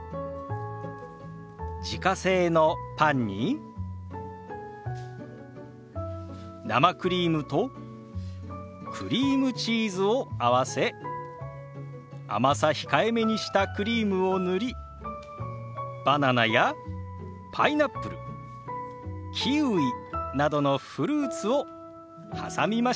自家製のパンに生クリームとクリームチーズを合わせ甘さ控えめにしたクリームを塗りバナナやパイナップルキウイなどのフルーツを挟みました。